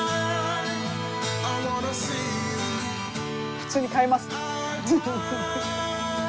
普通に買いますね。